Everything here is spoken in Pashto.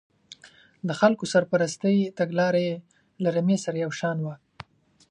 د خلکو سرپرستۍ تګلاره یې له رمې سره یو شان وه.